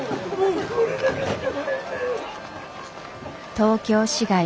東京市外